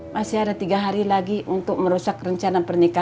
masih ada tiga hari lagi untuk merusak rencana pernikahan